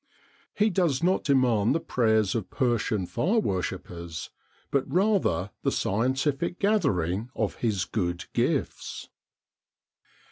He does not demand the prayers of Persian fire worshippers, but rather the scientific gathering of his good gifts.